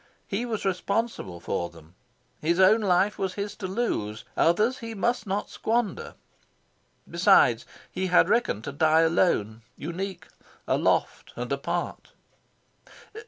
He was responsible for them. His own life was his to lose: others he must not squander. Besides, he had reckoned to die alone, unique; aloft and apart...